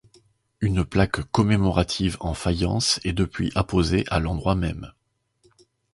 Une plaque commémorative en faïence est depuis apposée à l'endroit même.